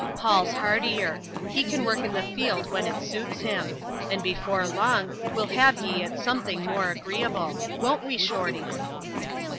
Paul's heartier; he can work in the field when it suits him ; and before long, we'll have ye at something more agreeable :— won't we, Shorty